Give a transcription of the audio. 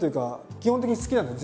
基本的に好きなんですよ。